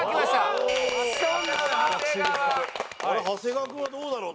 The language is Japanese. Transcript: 長谷川君はどうだろう？